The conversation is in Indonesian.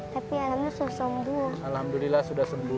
tapi alhamdulillah sudah sembuh